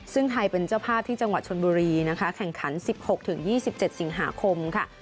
ซึ่งไทยเป็นเจ้าภาพที่จังหวัดชนบุรีนะคะแข่งขัน๑๖๒๗สิงหาคมค่ะ